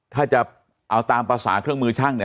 ถ้าจะเอาตามภาษาเครื่องมือช่าง